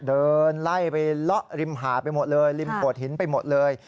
เดินไล่ไปเลาะริมหาดไปหมดเลยริมโขดหินไปหมดเลย